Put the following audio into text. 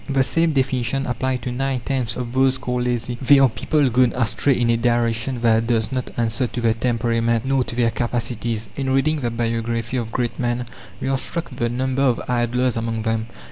The same definition applies to nine tenths of those called lazy. They are people gone astray in a direction that does not answer to their temperament nor to their capacities. In reading the biography of great men, we are struck with the number of "idlers" among them.